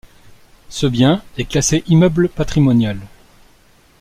Ce bien est classé immeuble patrimonial.